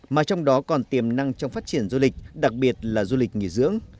mà trong đó còn tiềm năng trong phát triển du lịch đặc biệt là du lịch nghỉ dưỡng